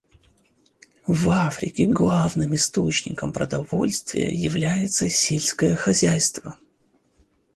В Африке главным источником продовольствия является сельское хозяйство.